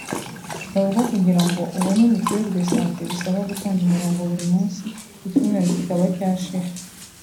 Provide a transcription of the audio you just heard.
Bavuga ko kugira ngo ubone mituelle de santé bisaba gutonda umurongo buri munsi icyumweru kikaba cyashira